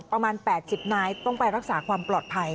ประมาณ๘๐นายต้องไปรักษาความปลอดภัย